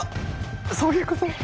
そういうこと？